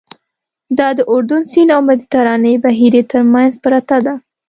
دا د اردن سیند او مدیترانې بحیرې تر منځ پرته ده.